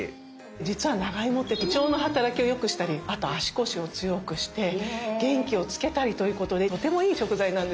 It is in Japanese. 実は長芋って胃腸の働きを良くしたりあと足腰を強くして元気をつけたりということでとてもいい食材なんです。